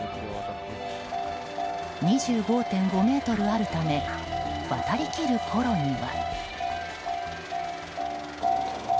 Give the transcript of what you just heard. ２５．５ｍあるため渡りきるころには。